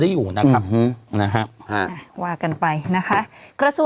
นิวไฮมาอีกแล้ว